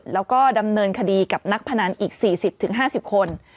แล้วก็ดำเนินคดีกับนักพนันอีก๔๐๕๐คน